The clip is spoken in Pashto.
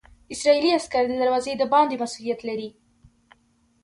اسرائیلي عسکر د دروازې د باندې مسوولیت لري.